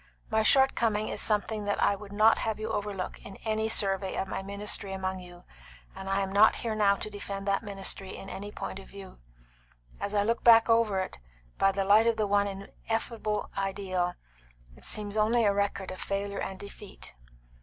My shortcoming is something that I would not have you overlook in any survey of my ministry among you; and I am not here now to defend that ministry in any point of view. As I look back over it, by the light of the one ineffable ideal, it seems only a record of failure and defeat."